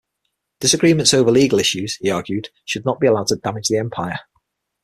Disagreements over legal issues, he argued, should not be allowed to damage the empire.